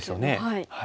はい。